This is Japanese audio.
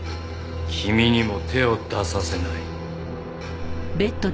君にも手を出させない。